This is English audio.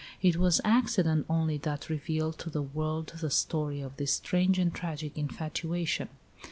It was accident only that revealed to the world the story of this strange and tragic infatuation.